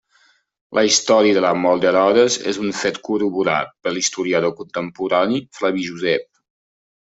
La història de la mort d'Herodes és un fet corroborat per l'historiador contemporani Flavi Josep.